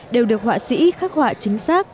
đều được họa sĩ khắc họa chính xác